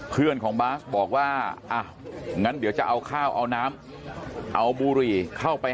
เพื่อนของบาสบอกว่าอ่ะงั้นเดี๋ยวจะเอาข้าวเอาน้ำเอาบุหรี่เข้าไป